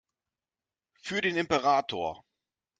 Für den Imperator!